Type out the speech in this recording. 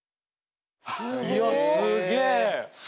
いやすげえ。